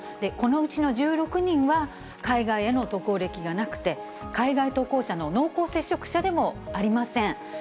このうちの１６人は、海外への渡航歴がなくて、海外渡航者の濃厚接触者でもありません。